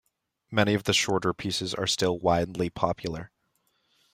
Many of the shorter pieces are still widely popular.